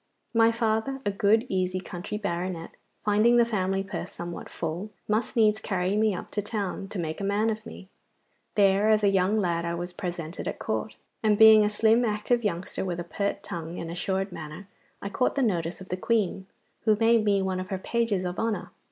My father, a good, easy country baronet, finding the family purse somewhat full, must needs carry me up to town to make a man of me. There as a young lad I was presented at Court, and being a slim active youngster with a pert tongue and assured manner, I caught the notice of the Queen, who made me one of her pages of honour.